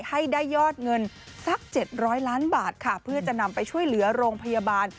ให้ได้ยอดเงินสัก๗๐๐ล้านบาทค่ะเพื่อจะนำไปช่วยเหลือโรงพยาบาล